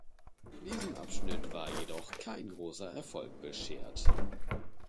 Diesem Abschnitt war jedoch kein großer Erfolg beschert.